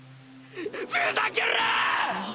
ふざけるな！